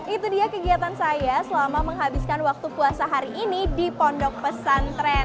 itu dia kegiatan saya selama menghabiskan waktu puasa hari ini di pondok pesantren